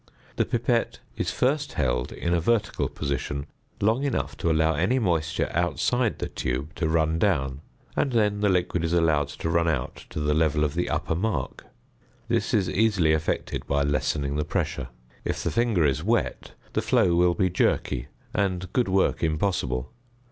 The pipette is first held in a vertical position long enough to allow any moisture outside the tube to run down, and then the liquid is allowed to run out to the level of the upper mark; this is easily effected by lessening the pressure. If the finger is wet, the flow will be jerky, and good work impossible.